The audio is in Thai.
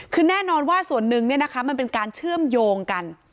คือแน่นอนว่าส่วนหนึ่งมันเป็นการเชื่อมโยงกัน